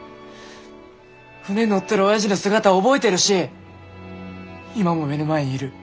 船乗ってるおやじの姿覚えてるし今も目の前にいる。